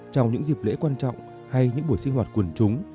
trong những dịp lễ quan trọng hay những buổi sinh hoạt quần chúng